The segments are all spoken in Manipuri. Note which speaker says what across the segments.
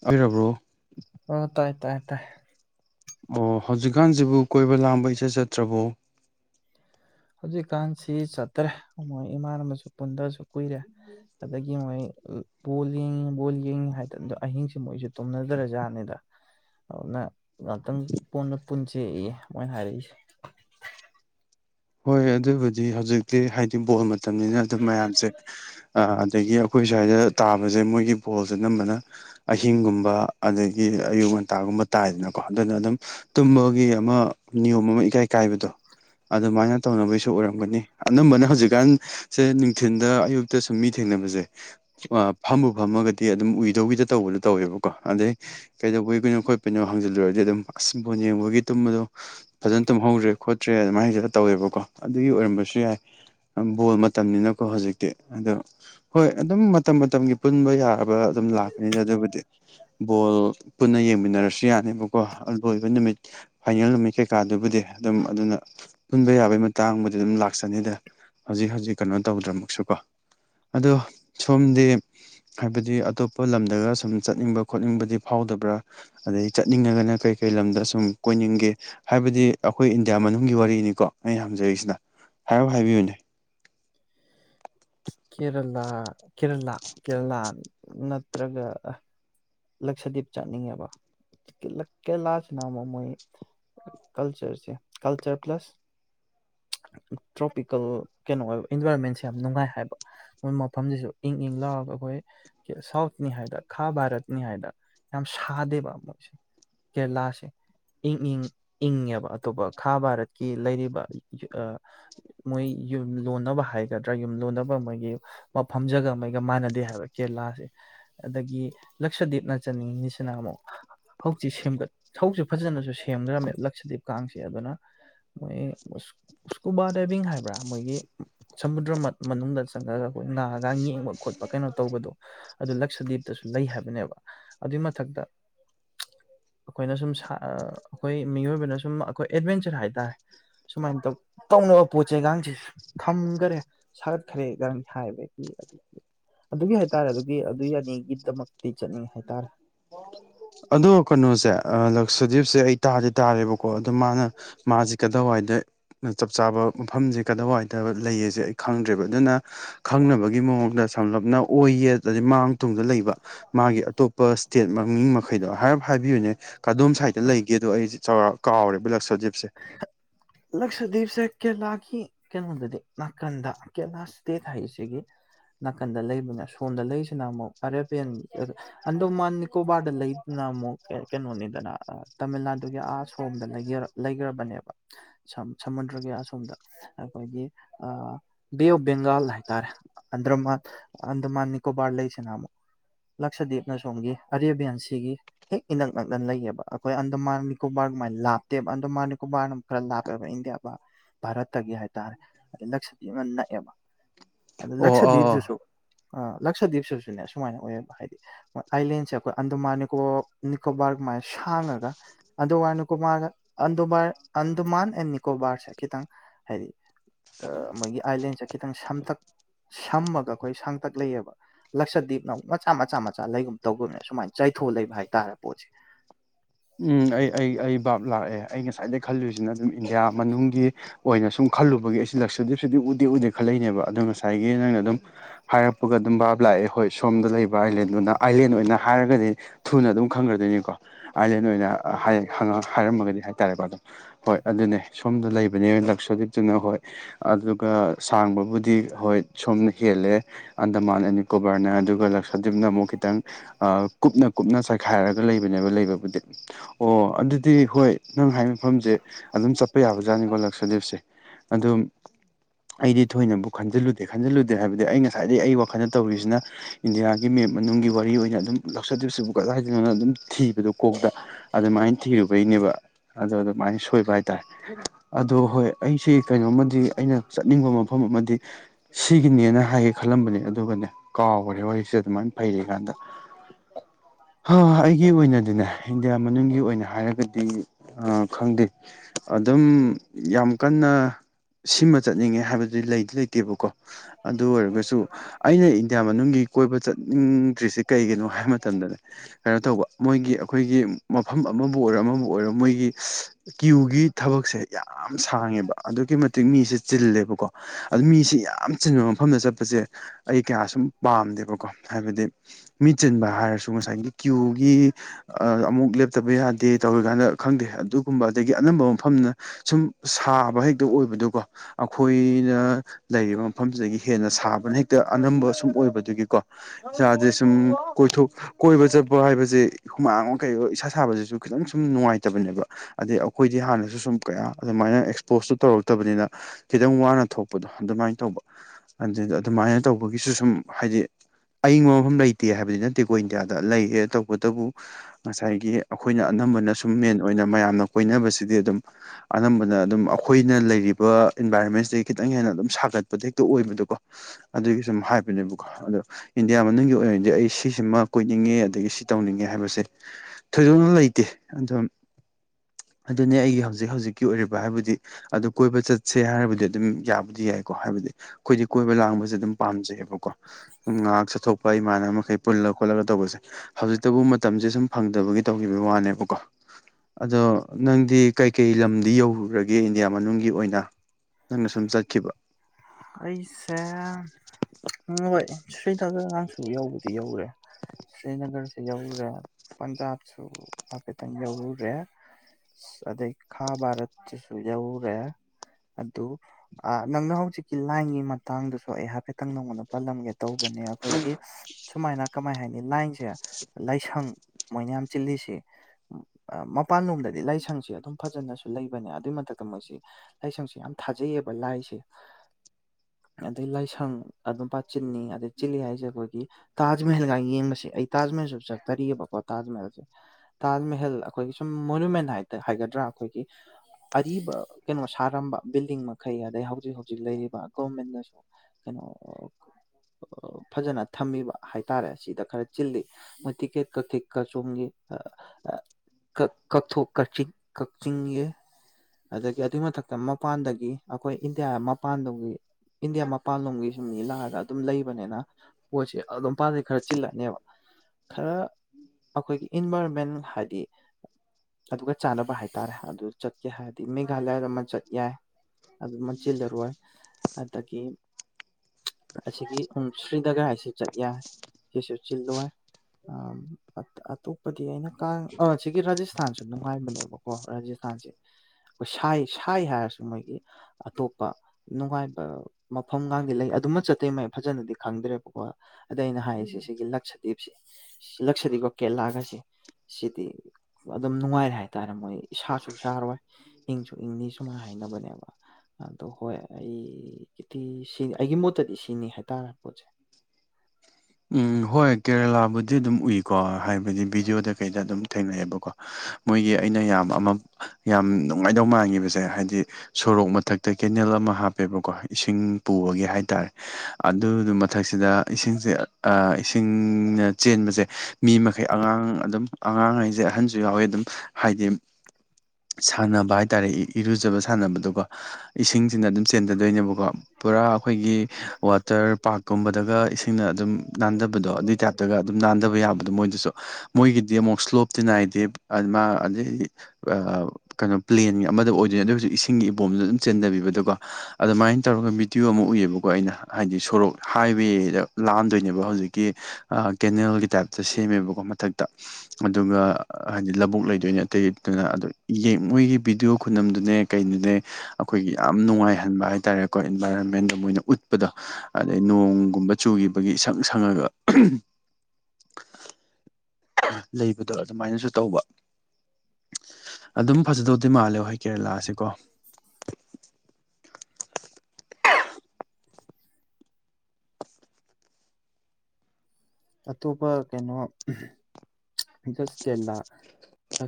Speaker 1: ꯇꯥꯏꯔꯕ꯭ꯔꯣ
Speaker 2: ꯑꯥ ꯇꯥꯏ ꯇꯥꯏ ꯇꯥꯏ
Speaker 1: ꯑꯣ ꯍꯧꯖꯤꯛꯀꯥꯟꯁꯤꯕꯨ ꯀꯣꯏꯕ ꯂꯥꯡꯕ ꯏꯆꯠ ꯆꯠꯇ꯭ꯔꯕꯣ
Speaker 2: ꯍꯧꯖꯤꯛꯀꯥꯟꯁꯤ ꯆꯠꯇ꯭ꯔꯦ ꯃꯣꯏ ꯏꯃꯥꯟꯅꯕꯨ ꯄꯨꯟꯗ꯭ꯔꯁꯨ ꯀꯨꯏꯔꯦ ꯑꯗꯒꯤ ꯃꯣꯏ ꯕꯣꯜ ꯌꯦꯡꯉꯤ ꯕꯣꯜ ꯌꯦꯡꯉꯤ ꯍꯥꯏꯗ ꯑꯍꯤꯡꯁꯦ ꯃꯣꯏꯖꯨ ꯇꯨꯝꯅꯗ꯭ꯔ ꯖꯥꯠꯅꯤꯗ ꯑꯗꯨꯅ ꯉꯥꯛꯇꯪ ꯄꯨꯟꯁꯤꯌꯦ ꯃꯣꯏꯅ ꯍꯥꯏꯔꯛꯏꯁꯦ
Speaker 1: ꯍꯣꯏ ꯑꯗꯨꯕꯨꯗꯤ ꯍꯧꯖꯤꯛꯇꯤ ꯍꯥꯏꯗꯤ ꯕꯣꯜ ꯃꯇꯝꯅꯤꯅ ꯑꯗꯨꯝ ꯃꯌꯥꯝꯁꯦ ꯑꯗꯒꯤ ꯑꯩꯈꯣꯏ ꯁ꯭ꯋꯥꯏꯗ ꯇꯥꯕꯁꯦ ꯃꯣꯏꯒꯤ ꯕꯣꯜꯁꯦ ꯑꯥ ꯅꯝꯕꯅ ꯑꯍꯤꯡꯒꯨꯝꯕ ꯑꯗꯒꯤ ꯑꯌꯨꯛ ꯉꯟꯇꯥꯒꯨꯝꯕ ꯇꯥꯏꯗꯅꯀꯣ ꯑꯗꯨꯅ ꯑꯗꯨꯝ ꯇꯨꯝꯕꯒꯤ ꯑꯃ ꯅꯤꯌꯣꯝ ꯑꯃ ꯏꯀꯥꯏ ꯀꯥꯏꯕꯗꯣ [unintelligible] ꯑꯗꯨꯃꯥꯏꯅ ꯇꯧꯅꯕꯩꯁꯨ ꯑꯣꯏꯔꯝꯒꯅꯤ ꯑꯅꯝꯕꯅ ꯍꯧꯖꯤꯛꯀꯥꯟꯁꯦ ꯅꯨꯡꯊꯤꯟꯗ ꯑꯌꯨꯛꯇ ꯁꯨꯝ ꯃꯤ ꯊꯦꯡꯅꯕꯁꯦ ꯐꯝꯕꯨ ꯐꯝꯃꯒꯗꯤ ꯑꯗꯨꯝ ꯎꯏꯗꯧꯒꯤꯗ ꯇꯧꯕꯗꯣ ꯇꯧꯋꯦꯕꯀꯣ ꯑꯗꯩ ꯀꯩꯗꯧꯕꯩ ꯀꯣ ꯈꯣꯠꯄꯅꯣ ꯍꯥꯡꯖꯤꯜꯂꯨꯔꯗꯤ ꯑꯗꯨꯝ ꯑꯁ ꯕꯣꯜ ꯌꯦꯡꯕꯒꯤ ꯇꯨꯝꯕꯗꯣ ꯐꯖꯅ ꯇꯨꯝꯍꯧꯗ꯭ꯔꯦ ꯈꯣꯠꯇ꯭ꯔꯦ ꯑꯗꯨꯃꯥꯏ ꯍꯥꯏꯁꯤꯜꯂ ꯇꯧꯋꯦꯕꯀꯣ ꯑꯗꯨꯒꯤ ꯑꯣꯏꯔꯝꯕꯁꯨ ꯌꯥꯏ ꯕꯣꯜ ꯃꯇꯝꯅꯤꯅꯀꯣ ꯍꯧꯖꯤꯛꯇꯤ ꯑꯗ ꯍꯣꯏ ꯑꯗꯨꯝ ꯃꯇꯝ ꯃꯇꯝꯒꯤ ꯄꯨꯟꯕ ꯌꯥꯔꯕ ꯑꯗꯨꯝ ꯂꯥꯛꯀꯅꯤꯗ ꯑꯗꯨꯕꯨꯗꯤ ꯕꯣ ꯕꯣꯜ ꯄꯨꯟꯅ ꯌꯦꯡꯃꯤꯟꯅꯔꯁꯨ ꯌꯥꯅꯦꯕꯀꯣ ꯂꯣꯏꯕ ꯅꯨꯃꯤꯠ ꯐꯥꯏꯅꯦꯜ ꯅꯨꯃꯤꯠ ꯀꯩꯀꯥꯗꯨꯕꯨꯗꯤ ꯑꯗꯨꯝ ꯑꯗꯨꯅ ꯄꯨꯟꯕ ꯌꯥꯕꯒꯩ ꯃꯇꯥꯡꯕꯨꯗꯤ ꯑꯗꯨꯝ ꯂꯥꯛꯆꯅꯤꯗ ꯍꯧꯖꯤꯛ ꯍꯧꯖꯤꯛ ꯀꯩꯅꯣ ꯇꯧꯗ꯭ꯔꯃꯛꯁꯨꯀꯣ ꯑꯗꯣ ꯁꯣꯝꯗꯤ ꯍꯥꯏꯕꯗꯤ ꯑꯇꯣꯞꯄ ꯂꯝꯗꯒ ꯁꯨꯝ ꯆꯠꯅꯤꯡꯕ ꯈꯣꯠꯅꯤꯡꯕꯗꯤ ꯐꯥꯎꯗꯕ꯭ꯔ ꯑꯗꯩ ꯆꯠꯅꯤꯡꯉꯒꯅ ꯀꯔꯤ ꯀꯩꯀꯩ ꯂꯝꯗ ꯁꯨꯝ ꯀꯣꯏꯅꯤꯡꯒꯦ ꯍꯥꯏꯕꯗꯤ ꯑꯩꯈꯣꯏ ꯏꯟꯗꯤꯌꯥ ꯃꯅꯨꯡꯒꯤ ꯋꯥꯔꯤꯅꯤ ꯀꯣ ꯑꯩꯅ ꯍꯝꯖꯔꯤꯁꯤꯅ ꯍꯥꯏꯔꯞ ꯍꯥꯏꯕꯤꯌꯨꯅꯦ
Speaker 2: ꯀꯦꯔꯂꯥ ꯀꯦꯔꯂꯥ ꯀꯦꯔꯂꯥ ꯅꯠꯇ꯭ꯔꯒ ꯂꯛꯁꯗꯤꯞ ꯆꯠꯅꯤꯡꯉꯦꯕ ꯀꯦꯔꯂꯥꯁꯤꯅ ꯑꯃꯨꯛ ꯃꯣꯏ ꯀꯜꯆꯔꯁꯦ ꯀꯜꯆꯔ ꯄ꯭ꯂꯁ ꯇ꯭ꯔꯣꯄꯤꯀꯜ ꯀꯩꯅꯣ ꯑꯣꯏꯕ ꯏꯟꯚꯥꯏꯔꯣꯟꯃꯦꯟꯁꯦ ꯌꯥꯝ ꯅꯨꯡꯉꯥꯏ ꯍꯥꯏꯕ ꯃꯣꯏ ꯃꯐꯝꯁꯤꯁꯨ ꯏꯪ ꯏꯪ ꯂꯥꯎꯔꯒ ꯑꯩꯈꯣꯏ ꯁꯥꯎꯠꯅꯤ ꯍꯥꯏꯗ ꯈꯥ ꯚꯥꯔꯠ ꯅꯅꯤ ꯍꯥꯏꯗ ꯌꯥꯝ ꯁꯥꯗꯦꯕ ꯃꯣꯏꯁꯦ ꯀꯦꯔꯂꯁꯦ ꯏꯪ ꯏꯪ ꯏꯪꯉꯦꯕ ꯑꯇꯣꯞꯄ ꯈꯥ ꯚꯥꯔꯠꯀꯤ ꯂꯩꯔꯤꯕ ꯑꯥ ꯃꯣꯏ ꯌꯨꯝ ꯂꯣꯟꯅꯕ ꯍꯥꯏꯒꯗ꯭ꯔꯥ ꯌꯨꯝ ꯂꯣꯟꯅꯕ ꯃꯒꯤ ꯃꯐꯝ ꯖꯒ ꯃꯒ ꯃꯥꯟꯅꯗꯦ ꯍꯥꯏꯕ ꯀꯦꯔꯂꯥꯁꯦ ꯑꯗꯒꯤ ꯂꯛꯁꯗꯤꯞꯅ ꯆꯟꯅꯤꯡꯉꯤꯅꯤ ꯁꯤꯅ ꯑꯃꯨꯛ ꯍꯧꯖꯤꯛ ꯁꯦꯝꯒꯠ ꯍꯧꯖꯤꯛ ꯐꯖꯅꯁꯨ ꯁꯦꯝꯈ꯭ꯔꯕꯃꯦ ꯂꯛꯁꯗꯤꯞ ꯀꯥꯡꯁꯦ ꯑꯗꯨꯅ ꯃꯣꯏ ꯁꯀꯨꯕꯥ ꯗꯥꯏꯚꯤꯡ ꯍꯥꯏꯕ꯭ꯔꯥ ꯃꯣꯏꯒꯤ ꯁꯃꯨꯗ꯭ꯔ ꯃꯅꯨꯡꯗ ꯆꯪꯉ ꯑꯩꯈꯣꯏ ꯅꯥꯑꯒ ꯌꯦꯡꯕ ꯈꯣꯠꯄ ꯀꯩꯅꯣ ꯇꯧꯕꯗꯣ ꯑꯗꯨ ꯂꯛꯁꯗꯤꯞꯇꯁꯨ ꯂꯩ ꯍꯥꯏꯕ ꯑꯗꯨꯅꯦꯕ ꯑꯗꯨꯏ ꯃꯊꯛꯇ ꯑꯩꯈꯣꯏꯅ ꯁꯨꯝ ꯑꯩꯈꯣꯏ ꯃꯤꯑꯣꯏꯕꯅ ꯁꯨꯝ ꯑꯩꯈꯣꯏ ꯑꯦꯗꯚꯦꯟꯆꯔ ꯍꯥꯏꯇꯔꯦ ꯁꯨꯃꯥꯏꯅ ꯇꯧ ꯇꯧꯅꯕ ꯄꯣꯠꯁꯦꯒꯥꯡꯁꯦ ꯈꯝꯒꯔꯦ ꯁꯥꯠꯈ꯭ꯔꯦ ꯀ ꯍꯥꯏꯕ
Speaker 1: [inaudible]
Speaker 2: ꯑꯗꯨꯒꯤ ꯍꯥꯏꯇꯥꯔꯦ ꯑꯗꯨꯒꯤ ꯑꯗꯨ ꯑꯅꯤꯒꯤꯗꯃꯛꯇꯤ ꯆꯠꯅꯤꯡꯉꯤ ꯍꯥꯏꯇꯔꯦ
Speaker 1: ꯑꯗꯣ ꯀꯩꯅꯣꯁꯦ ꯂꯛꯁꯗꯤꯞꯁꯦ ꯑꯩ ꯇꯗꯤ ꯇꯔꯦꯕꯀꯣ ꯑꯗꯣ ꯃꯥꯅ ꯃꯥꯁꯦ ꯀꯗꯥꯋꯥꯏꯗ ꯆꯞ ꯆꯥꯕ ꯃꯐꯝꯁꯦ ꯀꯗꯥꯋꯥꯏꯗ ꯂꯩꯌꯦꯁꯦ ꯑꯩ ꯈꯪꯗ꯭ꯔꯦꯕ ꯑꯗꯨꯅ ꯈꯪꯅꯕꯒꯤ ꯃꯑꯣꯡꯗ ꯁꯝꯂꯞꯅ ꯑꯣꯏ ꯌꯦꯠ ꯑꯗꯒꯤ ꯃꯥꯡ ꯇꯨꯡꯗ ꯂꯩꯕ ꯃꯥꯒꯤ ꯑꯇꯣꯞꯄ ꯏꯁꯇꯦꯠ ꯃꯃꯤꯡ ꯃꯈꯩꯗꯣ ꯍꯥꯏꯔꯞ ꯍꯥꯏꯕꯤꯌꯨꯅꯦ ꯀꯗꯣꯝ ꯁꯥꯏꯗ ꯂꯩꯒꯦꯗꯣ ꯑꯩꯁꯦ ꯆꯥꯎꯔꯥꯛ ꯀꯥꯎꯔꯦꯕ ꯂꯛꯁ
Speaker 2: ꯂꯛꯁꯗꯤꯞꯁꯦ ꯀꯦꯔꯂꯥꯒꯤ ꯀꯩꯅꯣꯗꯗꯤ ꯅꯥꯀꯟꯗ ꯀꯦꯔꯂꯥ ꯏꯁꯇꯦꯗ ꯍꯥꯏꯌꯦ ꯁꯤꯒꯤ ꯅꯥꯀꯟꯗ ꯂꯩꯕꯅꯦ ꯁꯣꯝꯗ ꯂꯩꯁꯤꯅ ꯑꯃꯨꯛ ꯑꯔꯦꯕꯤꯌꯥꯟ ꯑꯟꯗꯣꯃꯥꯟ ꯅꯤꯀꯣꯕꯥꯔꯗ ꯂꯩꯗꯅ ꯑꯃꯨꯛ ꯀꯩꯅꯣꯅꯤꯗꯅ ꯇꯥꯃꯤꯜ ꯅꯥꯗꯨꯒꯤ ꯑꯥꯁꯣꯝꯗ ꯂꯩꯒꯤ ꯂꯩꯈ꯭ꯔꯕꯅꯦꯕ ꯁꯃꯨꯗ꯭ꯔꯒꯤ ꯑꯁꯣꯝꯗ ꯑꯩꯈꯣꯏꯒꯤ ꯑꯥ ꯕꯤ ꯑꯣꯐ ꯕꯦꯛ ꯒꯥꯜ ꯍꯥꯏ ꯇꯔꯦ ꯑꯗ꯭ꯔꯃꯥꯜ ꯑꯟꯗꯃꯥꯟ ꯅꯤꯀꯣꯕꯔ ꯂꯩꯁꯤꯅꯥ ꯑꯃꯨꯛ ꯂꯛꯁꯗꯤꯞꯅ ꯁꯣꯝꯒꯤ ꯑꯔꯦꯕꯤꯌꯥꯟꯁꯤꯒꯤ ꯍꯦꯛ ꯏꯅꯛ ꯅꯛꯅ ꯂꯩꯌꯦꯕ ꯑꯩꯈꯣꯏ ꯑꯟꯗꯃꯥꯟ ꯅꯤꯀꯣꯕꯥꯔ ꯑꯗꯨꯃꯥꯏ ꯂꯥꯞꯇꯦꯕ ꯑꯟꯗꯥꯃꯥꯟ ꯅꯤꯀꯣꯕꯔꯅ ꯑꯃꯨꯛ ꯈꯔ ꯂꯥꯄꯦꯕ ꯏꯗꯤꯌꯥ ꯚꯥꯔꯠꯇꯒꯤ ꯍꯥꯏꯇꯔꯦ ꯂꯛꯁꯗꯤꯕꯅ ꯅꯛꯑꯦꯕ ꯑꯗꯨ
Speaker 1: ꯑꯣ ꯑꯣ
Speaker 2: ꯂꯛꯁꯗꯤꯞꯁꯤꯁꯨ ꯂꯛꯁꯗꯤꯞꯁꯤꯁꯨꯅꯦ ꯁꯨꯃꯥꯏꯅ ꯑꯣꯏꯌꯦꯕ ꯍꯥꯏꯗꯤ ꯃꯣꯏ ꯑꯥꯏꯂꯦꯟꯁꯦ ꯑꯩꯈꯣꯏ ꯑꯟꯗꯃꯥꯟ ꯅꯤꯀꯣ ꯅꯤꯀꯣꯕꯥꯔꯒꯨꯃꯥꯏ ꯅ ꯁꯥꯡꯉꯒ ꯑꯟꯗꯥꯃꯥꯟ ꯅꯤꯀꯣꯕꯔꯅ ꯑꯟꯗꯣꯃꯥꯟ ꯑꯟꯗꯃꯥꯟ ꯑꯦꯟ ꯅꯤꯀꯣꯕꯥꯔꯁꯦ ꯈꯤꯇꯪ ꯍꯥꯏꯗꯤ ꯀ ꯃꯣꯏꯒꯤ ꯑꯥꯏꯂꯦꯟꯁꯦ ꯈꯤꯇꯪ ꯁꯝꯇꯛ ꯁꯝꯃꯒ ꯑꯩꯈꯣꯏ ꯁꯥꯡꯇꯛ ꯂꯩꯑꯕ ꯂꯛꯁꯗꯤꯞꯅ ꯑꯃꯨꯛ ꯃꯆꯥ ꯃꯆꯥ ꯃꯆꯥ ꯂꯩꯒꯨꯝꯕ ꯇꯧꯕꯅ ꯁꯨꯃꯥꯏꯅ ꯊꯣ ꯂꯩꯕ ꯍꯥꯏꯇꯥꯔꯦ ꯄꯣꯠꯁꯦ
Speaker 1: [inaudible] ꯎꯝ ꯑꯩ ꯑꯩ ꯑꯩ ꯕꯥꯥꯞ ꯂꯥꯛꯑꯦ ꯑꯩ ꯉꯁꯥꯏꯗꯒꯤ ꯈꯜꯂꯨꯏꯁꯤꯅ ꯑꯗꯨꯝ ꯏꯟꯗꯤꯌꯥ ꯃꯅꯨꯡꯒꯤ ꯑꯣꯏꯅ ꯁꯨꯝ ꯈꯜꯂꯨꯕ ꯑꯩꯈꯣꯏꯒꯤ ꯑꯩꯁꯤ ꯂꯛꯁꯗꯤꯞꯁꯤꯗꯤ ꯎꯗꯦ ꯎꯗꯦ ꯈꯜꯂꯛꯏꯅꯦꯕ ꯑꯗꯣ ꯉꯁꯥꯏꯒꯤ ꯅꯪꯅ ꯑꯗꯨꯝ ꯍꯥꯏꯔꯛꯄꯒ ꯑꯗꯨꯝ ꯚꯥꯞ ꯂꯥꯛꯑꯦ ꯍꯣꯏ ꯁꯣꯝꯗ ꯂꯩꯕ ꯑꯥꯏꯂꯦꯟꯗꯨꯅ ꯑꯥꯏꯂꯦꯟ ꯑꯣꯏꯅ ꯍꯥꯏꯔꯒꯗꯤ ꯊꯨꯅ ꯑꯗꯨꯝ ꯈꯪꯒ꯭ꯔꯗꯣꯏꯅꯤꯀꯣ ꯑꯥꯏꯂꯦꯟ ꯑꯣꯏꯅ ꯍꯥꯢ ꯍꯪꯉ ꯍꯥꯏꯔꯝꯃꯒꯗꯤ ꯍꯥꯏꯇꯥꯔꯦꯀꯣ ꯑꯗꯨꯝ ꯍꯣꯏ ꯑꯗꯨꯅꯦ ꯁꯣꯝꯗ ꯂꯩꯕꯅꯦ ꯂꯛꯁꯣꯗꯤꯞꯇꯨꯅ ꯍꯣꯏ ꯑꯗꯨꯒ ꯁꯥꯡꯕꯕꯨꯗꯤ ꯍꯣꯏ ꯁꯣꯝꯅ ꯍꯦꯜꯂꯦ ꯑꯟꯗꯃꯥꯟ ꯑꯦꯟ ꯑꯦꯅꯤꯀꯣꯕꯔꯅ ꯑꯗꯨꯒ ꯂꯛꯁ ꯁꯗꯤꯞꯅ ꯑꯃꯨꯛ ꯈꯤꯇꯪ ꯀꯨꯞꯅ ꯀꯨꯞꯅ ꯆꯥꯏꯈꯥꯏꯔꯒ ꯂꯩꯕꯅꯦꯕ ꯂꯩꯕꯕꯨꯗꯤ ꯑꯣ ꯑꯗꯨꯗꯤ ꯍꯣꯏ ꯅꯪ ꯍꯥꯏ ꯃꯐꯝꯁꯦ ꯑꯗꯨꯝ ꯆꯠꯄ ꯌꯥꯕꯖꯥꯠꯅꯤꯀꯣ ꯂꯛꯁꯗꯤꯞꯁꯦ ꯑꯗꯨꯝ ꯑꯩꯗꯤ ꯊꯣꯏꯅꯕꯨ ꯈꯟꯖꯤꯜꯂꯨꯗꯦ ꯈꯟꯖꯤꯜꯂꯨꯗꯦ ꯍꯥꯏꯕꯗꯤ ꯑꯩ ꯉꯁꯥꯏꯗꯒꯤ ꯑꯩ ꯋꯥꯈꯜꯗ ꯇꯧꯔꯤꯁꯤꯅ ꯏꯟꯗꯤꯌꯥꯒꯤ ꯃꯦꯞ ꯃꯅꯨꯡꯒꯤ ꯋꯥꯔꯤ ꯑꯣꯏꯅ ꯑꯗꯨꯝ ꯂꯛꯁꯗꯤꯞꯁꯤꯕꯨ ꯀꯗꯥꯏꯗꯅꯣꯅ ꯑꯗꯨꯝ ꯊꯤꯕꯗꯣ ꯀꯣꯛꯇ ꯑꯗꯨꯃꯥꯏꯅ ꯊꯤꯔꯨꯕꯩꯅꯦꯕ ꯑꯗꯣ ꯑꯗꯨꯃꯥꯏꯅ ꯁꯣꯏꯕ ꯍꯥꯏꯇꯥꯔꯦ ꯑꯗꯣ ꯍꯣꯏ ꯑꯩꯁꯤ ꯀꯩꯅꯣꯝꯃꯗꯤ ꯑꯩꯅ ꯆꯠꯅꯤꯡꯕ ꯃꯐꯝ ꯑꯃꯗꯤ ꯁꯤꯒꯤꯅꯦꯅ ꯍꯥꯏꯒꯦ ꯈꯜꯂꯝꯕꯅꯦ ꯑꯗꯨꯒ ꯀꯥꯎꯈꯔꯦ ꯋꯥꯔꯤꯁꯦ ꯑꯗꯨꯃꯥꯏꯅ ꯐꯩ ꯀꯥꯟꯗ ꯍꯥꯥ ꯑꯩꯒꯤ ꯑꯣꯏꯅꯗꯤꯅꯦ ꯏꯟꯗꯤꯌꯥ ꯃꯅꯨꯡꯒꯤ ꯑꯣꯏꯅ ꯍꯥꯏꯔꯒꯗꯤ ꯈꯪꯗꯦ ꯑꯗꯨꯝ ꯌꯥꯝ ꯀꯟꯅ ꯁꯤꯃ ꯆꯠꯅꯤꯡꯉꯦ ꯍꯥꯏꯕꯗꯨꯗꯤ ꯂꯩꯗꯤ ꯂꯩꯇꯦꯕꯀꯣ ꯑꯗꯨ ꯑꯣꯏꯔꯒꯁꯨ ꯑꯩꯅ ꯏꯟꯗꯤꯌꯥ ꯃꯅꯨꯡ ꯒꯤ ꯀꯣꯏꯕ ꯆꯠꯅꯤꯡꯗ꯭ꯔꯤꯁꯦ ꯀꯩꯒꯤꯅꯣ ꯍꯥꯏꯕ ꯃꯇꯝꯗꯅꯦ ꯀꯩꯅꯣ ꯇꯧꯕ ꯃꯣꯏꯒꯤ ꯑꯩꯈꯣꯏꯒꯤ ꯃꯐꯝ ꯑꯃꯕꯨ ꯑꯣꯏꯔꯣ ꯑꯃꯕꯨ ꯑꯣꯏꯔꯣ ꯃꯣꯏꯒꯤ ꯀ꯭ꯌꯨꯒꯤ ꯊꯕꯛꯁꯦ ꯌꯥꯝ ꯁꯥꯡꯉꯦꯕ ꯑꯗꯨꯛꯀꯤ ꯃꯇꯤꯛ ꯃꯤꯁꯦ ꯆꯤꯜꯂꯦꯕꯀꯣ ꯑꯗꯨ ꯃꯤꯁꯦ ꯌꯥꯝ ꯆꯤꯟꯕ ꯃꯐꯝꯗ ꯆꯠꯄꯁꯦ ꯑꯩ ꯀꯌꯥ ꯁꯨꯝ ꯄꯥꯝꯗꯦꯕꯀꯣ ꯍꯥꯏꯕꯗꯤ ꯃꯤ ꯆꯤꯟꯕ ꯍꯥꯏꯔꯁꯨ ꯉꯁꯥꯏꯒꯤ ꯀ꯭ꯌꯨꯒꯤ ꯑꯃꯨꯛ ꯇꯧꯗꯕ ꯌꯥꯗꯦ ꯇꯧꯔꯤ ꯀꯥꯟꯗ ꯈꯪꯗꯦ ꯑꯗꯨꯒꯨꯝꯕ ꯑꯗꯒꯤ ꯑꯅꯝꯕ ꯃꯐꯝꯅ ꯁꯨꯝ ꯁꯥꯕ ꯍꯦꯛꯇ ꯑꯣꯏꯕꯅꯤ ꯑꯗꯨꯒ ꯑꯩꯈꯣꯏꯅ ꯂꯩꯔꯤꯕ ꯃꯐꯝꯁꯤꯗꯒꯤ ꯍꯦꯟꯅ ꯁꯥꯕꯅ ꯍꯦꯛꯇ ꯑꯅꯝꯕ ꯁꯨꯝ ꯑꯣꯏꯕꯗꯨꯒꯤꯀꯣ ꯏꯁꯥꯁꯦ ꯁꯨꯝ ꯀꯣꯏꯊꯣꯛ ꯀꯣꯏꯕ ꯆꯠꯄ ꯍꯥꯏꯕꯁꯦ ꯍꯨꯃꯥꯡꯑꯣ ꯀꯩꯑꯣ ꯑꯁꯥꯕꯁꯤꯁꯨ ꯈꯤꯇꯪ ꯁꯨꯝ ꯅꯨꯡꯉꯥꯏꯇꯕꯅꯦꯕ ꯑꯗꯩ ꯑꯩꯈꯣꯏꯗꯤ ꯍꯥꯟꯅꯁꯨ ꯁꯨꯝ ꯀꯌꯥ ꯑꯗꯨꯃꯥꯏꯅ ꯑꯦꯛꯁꯄꯣꯖꯁꯨ ꯇꯧꯔꯛ ꯇꯕꯅꯤꯅ ꯈꯤꯇꯪ ꯋꯥꯅ ꯊꯣꯛꯄꯗꯣ ꯑꯗꯨꯃꯥꯏꯅ ꯇꯧꯕ ꯑꯗꯨꯗ ꯑꯗꯨꯃꯥꯏꯅ ꯇꯧꯕꯒꯤꯁꯨ ꯁꯨꯝ ꯍꯥꯏꯗꯤ ꯑꯏꯪꯕ ꯃꯐꯝ ꯂꯩꯇꯦ ꯍꯥꯏꯕꯗꯤ ꯅꯠꯇꯦꯀꯣ ꯏꯟꯗꯤꯌꯥꯗ ꯂꯩꯌꯦ ꯇꯧꯕꯇꯕꯨ ꯉꯁꯥꯏ ꯉꯁꯥꯏꯒꯤ ꯑꯩꯈꯣꯏꯅ ꯑꯅꯝꯕꯅ ꯁꯨꯝ ꯃꯦꯟ ꯑꯣꯏꯅ ꯃꯌꯥꯝꯅ ꯀꯣꯏꯅꯕꯁꯤꯗꯤ ꯑꯗꯨꯝ ꯑꯅꯝꯕꯅ ꯑꯗꯨꯝ ꯑꯩꯈꯣꯏ ꯑꯩꯅ ꯂꯩꯔꯤꯕ ꯏꯟꯚꯥꯏꯔꯣꯟꯃꯦꯟꯁꯤꯗꯒꯤ ꯈꯤꯇꯪ ꯍꯦꯟꯅ ꯑꯗꯨꯝ ꯁꯥꯒꯠꯄꯗꯤ ꯍꯦꯛꯇ ꯑꯣꯏꯕꯗꯣꯀꯣ ꯑꯗꯨꯒꯤ ꯁꯨꯝ ꯍꯥꯏꯕꯅꯤ ꯑꯗꯣ ꯏꯟꯗꯤꯌꯥ ꯃꯅꯨꯡꯒꯤ ꯑꯣꯏꯅꯗꯤ ꯑꯩ ꯁꯤꯁꯤꯃ ꯀꯣꯏꯅꯤꯡꯉꯦ ꯑꯗꯒꯤ ꯁꯤ ꯇꯧꯅꯤꯡꯉꯦ ꯍꯥꯏꯕꯁꯦ ꯊꯣꯏꯗꯣꯛꯅ ꯂꯩꯇꯦ ꯑꯗꯨꯝ ꯑꯗꯨꯅꯦ ꯑꯩꯒꯤ ꯍꯧꯖꯤꯛ ꯍꯧꯖꯤꯛꯀꯤ ꯑꯣꯏꯔꯤꯕ ꯍꯥꯏꯕꯗꯤ ꯑꯗꯨ ꯀꯣꯏꯕ ꯆꯠꯁꯦ ꯍꯥꯏꯕꯨꯗꯤ ꯑꯗꯨꯝ ꯌꯥꯕꯨꯗꯤ ꯌꯥꯏꯀꯣ ꯍꯥꯏꯕꯗꯤ ꯑꯩꯈꯣꯏꯗꯤ ꯀꯣꯏꯕ ꯂꯥꯡꯕꯁꯦ ꯑꯗꯨꯝ ꯄꯥꯝꯖꯩꯌꯦꯕꯀꯣ ꯉꯥꯏꯍꯥꯛ ꯆꯠꯊꯣꯛꯄ ꯏꯃꯥꯟꯅꯕ ꯃꯈꯩ ꯄꯨꯜꯂ ꯈꯣꯠꯂꯒ ꯇꯧꯕꯁꯦ ꯍꯧꯖꯤꯛꯇꯕꯨ ꯃꯇꯝꯁꯦ ꯁꯨꯝ ꯐꯪꯗꯕꯒꯤ ꯇꯧꯈꯤꯕꯒꯤ ꯋꯥꯅꯦꯕꯀꯣ ꯑꯗꯣ ꯅꯪꯗꯤ ꯀꯩꯀꯩ ꯂꯝꯗꯤ ꯌꯧꯔꯨꯔꯒꯦ ꯏꯟꯗꯤꯌꯥ ꯃꯅꯨꯡꯒꯤ ꯑꯣꯏꯅ ꯅꯪꯅ ꯁꯨꯝ ꯆꯠꯈꯤꯕ
Speaker 2: ꯑꯩꯁꯦ ꯑꯝ [unintelligible] ꯌꯧꯕꯗꯤ ꯌꯧꯔꯦ ꯁ꯭ꯔꯤꯅꯒꯔꯁꯨ ꯌꯧꯔꯨꯔꯦ ꯄꯟꯖꯥꯕꯁꯨ ꯍꯥꯏꯐꯦꯠꯇꯪ ꯌꯧꯔꯨꯔꯦ ꯑꯗꯩ ꯈꯥ ꯚꯥꯔꯠꯁꯨ ꯌꯧꯔꯨꯔꯦ ꯑꯗꯨ ꯑ ꯅꯪꯅ ꯍꯧꯖꯤꯛ ꯂꯥꯏꯟꯒꯤ ꯃꯇꯥꯡꯗꯨꯁꯨ ꯑꯩ ꯍꯥꯏꯐꯦꯠꯇꯪ ꯅꯪꯉꯣꯟꯗ ꯄꯜꯂꯝꯒꯦ ꯇꯧꯕꯅꯦ ꯑꯩꯈꯣꯏꯒꯤ ꯁꯨꯃꯥꯏꯅ ꯀꯃꯥꯏ ꯍꯥꯏꯅꯤ ꯂꯥꯏꯟꯁꯦ ꯂꯥꯏꯁꯪ ꯃꯣꯏꯅ ꯌꯥꯝ ꯆꯤꯜꯂꯤꯁꯤ ꯃꯄꯥꯟꯂꯣꯝꯗꯗꯤ ꯂꯥꯏꯁꯪꯁꯦ ꯑꯗꯨꯝ ꯐꯖꯅꯁꯨ ꯂꯩꯕꯅꯦ ꯑꯗꯨꯏ ꯃꯊꯛꯇ ꯃꯣꯏꯁꯤ ꯂꯥꯏꯁꯪꯁꯤ ꯌꯥꯝ ꯊꯥꯖꯩꯑꯕ ꯂꯥꯏ ꯁꯤ
Speaker 1: [inaudible]
Speaker 2: ꯑꯗꯩ ꯂꯥꯏꯁꯪ ꯑꯗꯨꯝ ꯐꯖꯅ ꯆꯤꯟꯅꯤ ꯑꯗꯩ ꯆꯤꯜꯂꯤ ꯍꯥꯏꯁꯦ ꯑꯩꯈꯣꯏꯒꯤ ꯇꯥꯖ ꯃꯍꯜꯒꯥꯏ ꯌꯦꯡꯕꯁꯦ ꯑꯩ ꯇꯥꯖ ꯃꯍꯜꯁꯨ ꯆꯠꯇꯔꯤꯕꯀꯣ ꯇꯥꯖ ꯃꯍꯜꯁꯦ ꯇꯥꯖ ꯃꯍꯜ ꯑꯩꯈꯣꯏꯒꯤ ꯁꯨꯝ ꯃꯣꯅꯨꯃꯦꯟ ꯍꯥꯏ ꯍꯥꯏꯒꯗ꯭ꯔꯥ ꯑꯩꯈꯣꯏ ꯑꯔꯤꯕ ꯀꯩꯅꯣ ꯁꯥꯔꯝꯕ ꯕꯤꯜꯗꯤꯡ ꯃꯈꯩ ꯑꯗꯩ ꯍꯧꯖꯤꯛ ꯍꯧꯖꯤꯛ ꯂꯩꯔꯤꯕ ꯒꯣꯚꯔꯃꯦꯟꯗꯅꯁꯨ ꯀꯩꯅꯣ ꯐꯖꯅ ꯊꯝꯃꯤꯕ ꯍꯥꯏꯇꯥꯔꯦ ꯁꯤꯗ ꯈꯔ ꯆꯤꯜꯂꯤ ꯃꯣꯏ ꯇꯤꯛꯀꯦꯠꯀ ꯀꯩꯀ ꯆꯣꯡꯒꯤ ꯀ ꯀꯊꯣ ꯀꯛꯆꯤꯡ ꯀꯛꯆꯤꯡꯌꯦ ꯑꯗꯒꯤ ꯑꯗꯨꯒꯤ ꯃꯊꯛꯇ ꯃꯄꯥꯟꯗꯒꯤ ꯑꯩꯈꯣꯏ ꯏꯟꯗꯤꯌꯥ ꯃꯄꯥꯟꯗꯒꯤ ꯏꯟꯗꯤꯌꯥ ꯃꯄꯥꯟ ꯂꯣꯝꯒꯤ ꯁꯨꯝ ꯃꯤ ꯂꯥꯛꯑꯒ ꯑꯗꯨꯝ ꯂꯩꯕꯅꯤꯅ ꯄꯣꯠꯁꯦ ꯑꯗꯨꯝꯄꯥꯥꯟꯗꯩ ꯈꯔ ꯆꯤꯜꯂꯅꯦꯕ ꯈꯔ ꯑꯩꯈꯣꯏꯒꯤ ꯏꯟꯚꯥꯏꯔꯣꯟꯃꯦꯟ ꯍꯥꯏꯗꯤ ꯑꯗꯨꯒ ꯆꯥꯟꯅꯕ ꯍꯥꯏꯇꯥꯔꯦ ꯑꯗꯨ ꯆꯠꯀꯦ ꯍꯥꯏꯔꯗꯤ ꯃꯦꯘꯂꯌꯥ ꯑꯃ ꯆꯠ ꯌꯥꯏ ꯑꯗꯨꯃ ꯆꯤꯜꯂꯔꯣꯢ ꯑꯗꯒꯤ ꯑꯁꯤꯒꯤ ꯁ꯭ꯔꯤꯅꯒꯔ ꯍꯥꯏꯁꯤ ꯆꯠ ꯌꯥꯢ ꯁꯤꯁꯨ ꯆꯤꯜꯂꯣꯏ ꯑꯇꯣꯞꯄꯗꯤ ꯑꯩꯅ ꯀ ꯁꯤꯒꯤ ꯔꯥꯖꯁꯊꯥꯟꯁꯨ ꯅꯨꯡꯉꯥꯏꯕꯅꯦꯕꯀꯣ ꯔꯥꯁꯊ ꯊꯥꯟꯁꯦ ꯑꯩꯈꯣꯏ ꯁꯥꯏ ꯁꯥꯏ ꯍꯥꯏꯔꯁꯨ ꯃꯣꯏꯒꯤ ꯑꯇꯣꯞꯄ ꯅꯨꯡꯉꯥꯏꯕ ꯃꯐꯝꯒꯥꯡꯗꯤ ꯂꯩ ꯑꯗꯨꯃ ꯆꯠꯇ꯭ꯔꯤꯕꯅ ꯐꯖꯅꯗꯤ ꯈꯪꯗ꯭ꯔꯦꯕꯀꯣ ꯑꯗ ꯑꯩꯅ ꯍꯥꯏꯔꯤꯁꯦ ꯁꯤꯒꯤ ꯂꯛꯁꯗꯤꯞꯁꯦ ꯂꯛꯁꯗꯤꯞꯀ ꯀꯦꯔꯂꯥꯒꯁꯦ ꯁꯤꯗꯤ ꯑꯗꯨꯝ ꯅꯨꯡꯉꯥꯏꯔꯦ ꯍꯥꯏꯇꯥꯔꯦ ꯃꯣꯏ ꯏꯁꯥꯁꯨ ꯁꯥꯔꯣꯏ ꯏꯪꯁꯨ ꯏꯪꯅꯤ ꯁꯨꯃꯥꯏ ꯍꯥꯏ ꯍꯥꯏꯅꯕꯅꯦꯕ ꯑꯗꯣ ꯍꯣꯏ ꯑꯩ ꯒꯤꯗꯤ ꯁꯤ ꯑꯩꯒꯤ ꯃꯣꯠꯇꯗꯤ ꯁꯤꯅꯤ ꯍꯥꯏꯇꯥꯔꯦ ꯄꯣꯠꯁꯦ
Speaker 1: ꯎꯝ ꯍꯣꯏ ꯀꯦꯔꯦꯂꯥꯕꯨꯗꯤ ꯑꯗꯨꯝ ꯎꯏ ꯀꯣ ꯍꯥꯏꯕꯗꯤ ꯚꯤꯗꯤꯑꯣꯗ ꯀꯩꯗ ꯑꯗꯨꯝ ꯊꯦꯡꯅꯩꯌꯦꯕꯀꯣ ꯃꯣꯏꯒꯤ ꯑꯩꯅ ꯌꯥꯝ ꯑꯃ ꯌꯥꯝ ꯅꯨꯡꯉꯥꯏꯗꯧ ꯃꯥꯟꯒꯤꯕꯁꯦ ꯍꯥꯏꯗꯤ ꯁꯣꯔꯣꯛ ꯃꯊꯛꯇ ꯀꯦꯅꯦꯜ ꯑꯃ ꯍꯥꯞꯄꯦꯕꯀꯣ ꯏꯁꯤꯡ ꯄꯨꯕꯒꯤ ꯍꯥꯏꯗꯤ ꯇꯥꯔꯦ ꯑꯗꯨꯗꯨ ꯃꯊꯛꯁꯤꯗ ꯏꯁꯤꯡꯁꯦ ꯏꯁꯤꯡꯅ ꯆꯦꯟꯕꯁꯦ ꯃꯤ ꯃꯈꯩ ꯑꯉꯥꯡ ꯑꯗꯨꯝ ꯑꯉꯥꯡ ꯍꯥꯏꯁꯦ ꯑꯍꯟꯁꯨ ꯌꯥꯎꯋꯦ ꯑꯗꯨꯝ ꯍꯥꯏꯗꯤ ꯁꯥꯟꯅꯕ ꯍꯥꯏꯇꯥꯥꯔꯦ ꯏꯔꯨꯖꯕ ꯁꯥꯟꯅꯕꯗꯣꯀꯣ ꯏꯁꯤꯡꯁꯤꯅ ꯑꯗꯨꯝ ꯆꯦꯟꯗꯗꯣꯏꯅꯦꯕꯀꯣ ꯄꯨꯔꯥ ꯑꯩꯈꯣꯏꯒꯤ ꯋꯥꯇꯔ ꯄꯥꯔꯛꯀꯨꯝꯕꯗꯒ ꯏꯁꯤꯡꯅ ꯑꯗꯨꯝ ꯅꯥꯟꯊꯕꯗꯣ ꯑꯗꯨꯏ ꯇꯥꯏꯞꯇꯒ ꯑꯗꯨꯝ ꯅꯥꯟꯊꯕ ꯌꯥꯕꯗꯣ ꯃꯣꯏꯗꯨꯁꯨ ꯃꯣꯏꯒꯤꯗꯤ ꯑꯃꯨꯛ ꯁ꯭ꯂꯣꯞꯇꯤ ꯅꯥꯏꯗꯦ ꯑ ꯑꯗꯩ ꯀꯩꯅꯣ ꯄ꯭ꯂꯦꯟ ꯑꯃꯗ ꯑꯣꯏꯗꯣꯏꯅꯦ ꯑꯗꯨ ꯑꯣꯢꯔꯒꯁꯨ ꯏꯁꯤꯡꯒꯤ ꯏꯕꯣꯝꯗ ꯑꯗꯨꯝ ꯆꯦꯟꯗꯕꯤꯕꯗꯣꯀꯣ ꯑꯗꯨꯃꯥꯏꯅ ꯇꯧꯔꯒ ꯚꯤꯗꯤꯑꯣ ꯑꯃ ꯎꯋꯦꯕꯀꯣ ꯑꯩꯅ ꯍꯥꯏꯗꯤ ꯁꯣꯔꯣꯛ ꯍꯥꯏꯋꯦ ꯗ ꯂꯥꯟ ꯗꯣꯢꯅꯦꯕ ꯍꯧꯖꯤꯛꯀꯤ ꯀꯦꯅꯦꯜꯒꯤ ꯇꯥꯏꯞꯇ ꯁꯦꯝꯃꯦꯕꯀꯣ ꯃꯊꯛ ꯑ ꯑꯗꯨꯒ ꯍꯥꯏꯗꯤ ꯂꯧꯕꯨꯛ ꯂꯩꯗꯣꯏꯅꯦ ꯑꯇꯩ ꯑꯗꯣ ꯃꯣꯏꯒꯤ ꯚꯤꯗꯤꯑꯣ ꯈꯨꯅꯝꯗꯨꯅꯦ ꯀꯩꯅꯣꯅꯦ ꯑꯩꯈꯣꯏꯒꯤ ꯌꯥꯝ ꯅꯨꯡꯉꯥꯏꯍꯟꯕ ꯍꯥꯏꯇꯥꯔꯦꯀꯣ ꯏꯟꯚꯥꯏꯔꯟꯃꯦꯟꯗꯣ ꯃꯣꯏꯅ ꯎꯠꯄꯗꯣ ꯑꯗꯩ ꯅꯣꯡꯒꯨꯝꯕ ꯆꯨꯈꯤꯕꯒꯤ ꯏꯁꯪ ꯁꯪꯉꯒ ꯑꯍꯝ ꯂꯩꯕꯗꯣ ꯑꯗꯨꯃꯥꯏꯅꯁꯨ ꯇꯧꯕ ꯑꯗꯨꯝ ꯐꯖꯗꯧꯗꯤ ꯃꯥꯜꯂꯦ ꯍꯣꯏ ꯀꯦꯔꯦꯂꯥꯥꯁꯦꯀꯣ [inaudible]
Speaker 2: [inaudible] ꯑꯇꯣꯞꯄ ꯀꯩꯅꯣ ꯖꯁ ꯀꯦꯂꯥ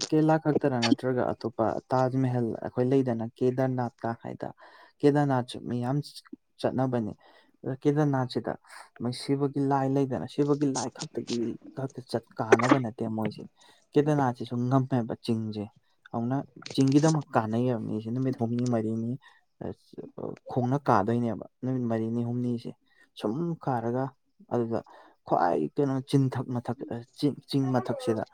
Speaker 2: ꯀꯦꯔꯂꯥ ꯈꯛꯇꯔ ꯅꯠꯇ꯭ꯔꯒ ꯑꯇꯣꯞꯄ ꯇꯥꯖ ꯃꯦꯍꯦꯜ ꯑꯩꯈꯣꯏ ꯂꯩꯗꯅ ꯀꯦꯗꯔꯅꯥꯠꯀ ꯍꯥꯏꯗ ꯀꯦꯗꯔꯅꯥꯠ ꯃꯤ ꯌꯥꯝ ꯆꯠꯅꯕꯅꯦ ꯑꯥ ꯀꯦꯗꯔꯅꯥꯠꯁꯤꯗ ꯃꯩ ꯁꯤꯕꯒꯤ ꯂꯥꯏ ꯂꯩꯗꯅ ꯁꯤꯕꯒꯤ ꯂꯥꯏ ꯈꯛꯇꯒꯤ ꯈꯛꯇ ꯆꯠ ꯀꯥꯟꯅꯕ ꯅꯠꯇꯦ ꯃꯣꯏꯁꯦ ꯀꯦꯗꯅꯥꯠꯁꯤꯁꯨ ꯉꯝꯃꯦꯕ ꯆꯤꯡꯁꯦ ꯍꯧꯅ ꯆꯤꯡꯒꯤꯗꯃꯛ ꯀꯥꯟꯅꯩꯑꯦꯕ ꯨꯝꯤꯁꯦ ꯅꯨꯃꯤꯠ ꯍꯨꯝꯅꯤ ꯃꯔꯤꯅꯤ ꯈꯣꯡꯅ ꯀꯥꯗꯣꯏꯅꯦꯕ ꯅꯨꯃꯤꯠ ꯃꯔꯤꯅꯤ ꯍꯨꯝꯅꯤꯁꯦ ꯁꯨꯝ ꯈꯥꯔꯒ ꯑꯗꯨꯗ ꯈ꯭ꯋꯥꯏ ꯀꯩꯅꯣ ꯆꯤꯡꯊꯛ ꯃꯊꯛ ꯆꯤꯡ ꯃꯊꯛꯁꯤꯗ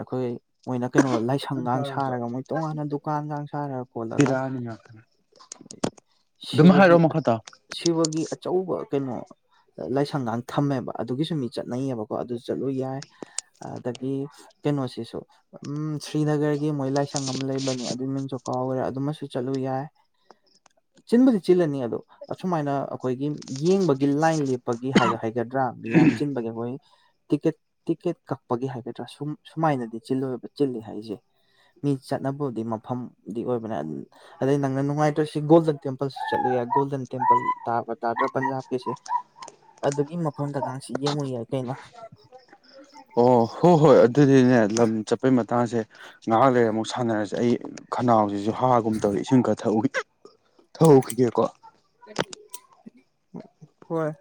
Speaker 2: ꯑꯩꯈꯣꯏ ꯃꯣꯏꯅ ꯀꯩꯅꯣ ꯂꯥꯏꯁꯪꯒ ꯁꯥꯔꯒ ꯃꯣꯏ ꯇꯣꯉꯥꯟꯅ ꯗꯨꯀꯥꯟꯒ ꯁꯥꯔꯒ ꯈꯣꯠꯂꯒ
Speaker 1: ꯄꯤꯔꯛꯑꯅꯤ ꯉꯥꯛꯇꯅꯦ ꯑꯗꯨꯝ
Speaker 2: ꯁꯤꯕꯒꯤ
Speaker 1: ꯍꯥꯏꯔꯛꯑꯣ ꯃꯈꯥ ꯇꯥꯎ
Speaker 2: ꯁꯤꯕꯒꯤ ꯑꯆꯧꯕ ꯀꯩꯅꯣ ꯂꯥꯏꯁꯪꯒꯥꯡ ꯊꯝꯃꯦꯕ ꯑꯗꯨꯒꯤꯁꯨ ꯃꯤ ꯆꯠꯅꯩꯌꯦꯕꯀꯣ ꯑꯗꯨ ꯆꯠꯂꯨ ꯌꯥꯏ
Speaker 1: [inaudible]
Speaker 2: ꯑꯗꯒꯤ ꯀꯩꯅꯣꯁꯤꯁꯨ ꯎꯝ ꯁ꯭ꯔꯤꯅꯒꯔꯒꯤ ꯃꯣꯏ ꯂꯥꯏꯁꯪ ꯑꯃ ꯂꯩꯕꯅꯤ ꯑꯗꯨꯏ ꯃꯤꯡꯁꯨ ꯀꯣ ꯍꯧꯒꯦꯔꯥ ꯑꯗꯨꯃꯁꯨ ꯆꯠꯂꯨ ꯌꯥꯏ
Speaker 1: [inaudible]
Speaker 2: ꯆꯤꯟꯕꯨꯗꯤ ꯆꯤꯜꯂꯅꯤ ꯑꯗꯣ ꯑꯁꯨꯃꯥꯏꯅ ꯑꯩꯈꯣꯏꯒꯤ ꯌꯦꯡꯕꯒꯤ ꯂꯥꯏꯟ ꯄꯒꯤ ꯍꯥꯏꯒꯗ꯭ꯔꯥ ꯃꯤ ꯌꯥꯝ ꯆꯤꯟꯕꯒꯤ ꯑꯩꯈꯣꯏ ꯇꯤꯀꯦꯠ ꯇꯤꯛꯀꯦꯠ ꯀꯛꯄꯒꯤ ꯍꯥꯏꯒꯗ꯭ꯔꯥ ꯁꯨꯝ ꯁꯨꯃꯥꯏꯅꯗꯤ ꯆꯤꯜꯂꯣꯏꯕ ꯆꯤꯜꯂꯤ ꯍꯥꯏꯁꯦ ꯃꯤ ꯆꯠꯅꯕꯕꯨꯗꯤ ꯃꯐꯝꯗꯤ ꯑꯣꯏꯕꯅꯦ ꯑꯗꯩ ꯅꯪꯅ ꯅꯨꯡꯉꯥꯏꯇ꯭ꯔ ꯁꯤ ꯒꯣꯜꯗꯟ ꯇꯦꯝꯄꯜꯁꯨ ꯆꯠꯂꯨ ꯌꯥꯏ ꯒꯣꯜꯗꯟ ꯇꯦꯝꯄꯜ ꯇꯥꯕ ꯇꯗ꯭ꯔ ꯄꯟꯖꯥꯕꯀꯤꯁꯦ ꯑꯗꯨꯒꯤ ꯃꯐꯝꯗꯅ ꯁꯤ ꯌꯦꯡꯉꯨ ꯌꯥꯏ ꯀꯩꯅꯣ
Speaker 1: ꯑꯣ ꯍꯣꯏ ꯍꯣꯏ ꯑꯗꯨꯗꯤꯅꯦ ꯂꯝ ꯆꯠꯄꯩ ꯃꯇꯥꯡꯁꯦ ꯉꯥꯏꯍꯥꯛ ꯂꯩꯔ ꯑꯃꯨꯛ ꯁꯥꯟꯅꯔꯁꯦ ꯑꯩ ꯈꯅꯥꯎꯁꯤꯁꯨ ꯍꯥꯒꯨꯝꯕ ꯇꯧꯔ ꯏꯁꯤꯡ ꯈ꯭ꯔ ꯊꯛꯎ ꯊꯛꯎꯈꯤꯒꯦꯀꯣ
Speaker 2: ꯍꯣꯏ